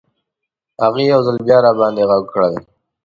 هغې یو ځل بیا راباندې غږ کړل.